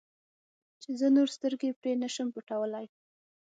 چې زه نور سترګې پرې نه شم پټولی.